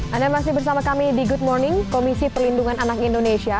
anda masih bersama kami di good morning komisi perlindungan anak indonesia